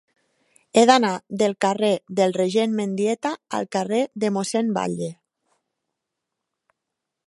He d'anar del carrer del Regent Mendieta al carrer de Mossèn Batlle.